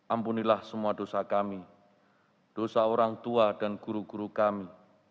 ampunilah semua dosa kami dosa orang tua dan guru guru kami